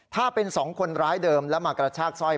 ถ้าเป็นสองคนร้ายเดิมแล้วมากระชากสร้อย